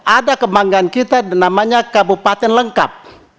ada kebanggaan kita namanya kabupaten lengkap